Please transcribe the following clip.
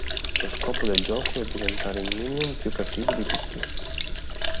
Lo scopo del gioco è diventare il minion più cattivo di tutti.